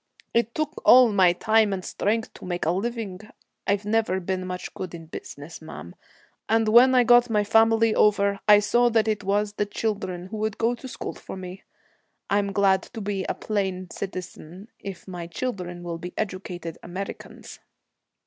It took me all my time and strength to make a living I've never been much good in business, ma'am and when I got my family over, I saw that it was the children would go to school for me. I'm glad to be a plain citizen, if my children will be educated Americans.'